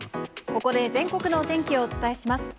ここで全国のお天気をお伝えします。